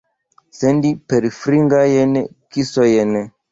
Sendi perfingrajn kisojn.